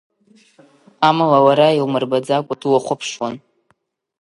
Амала, лара илмырбаӡакәа длыхәаԥшуан.